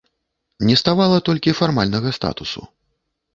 Не ставала толькі фармальнага статусу.